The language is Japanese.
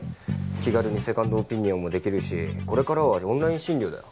気軽にセカンドオピニオンもできるしこれからはオンライン診療だよ。